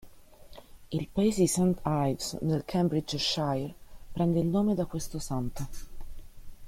Il paese di St Ives nel Cambridgeshire prende il nome da questo santo.